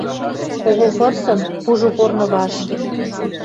Кого вырсын кужы корны вашт.